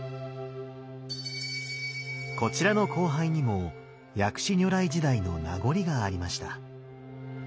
こちらの光背にも薬師如来時代の名残がありました。